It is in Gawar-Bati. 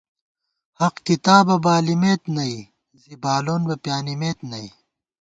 حق کتابہ بالِمېت نئی، زِی بالون بہ پیانِمېت نئی